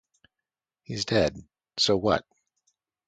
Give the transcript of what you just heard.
He's dead, so what?